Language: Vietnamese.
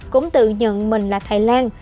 cũng tự nhận mình là thái lan